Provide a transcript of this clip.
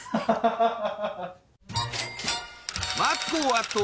ハハハハ。